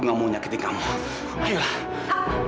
ngusir kamu dari gue